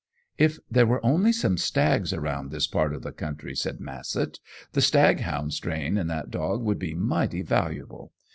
"If there were only some stags around this part of the country," said Massett, "the stag hound strain in that dog would be mighty valuable.